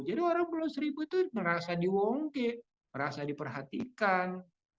jadi warga pulau seribu itu merasa diwongke merasa diperhatikan